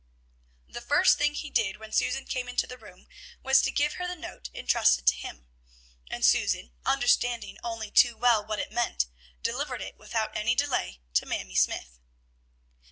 The first thing he did when Susan came into the room was to give her the note intrusted to him; and Susan, understanding only too well what it meant, delivered it without any delay to Mamie Smythe.